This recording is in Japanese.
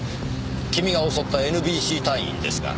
君が襲ったＮＢＣ隊員ですが。